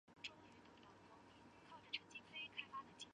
天主教罗德里戈城教区是天主教会在西班牙的一个教区。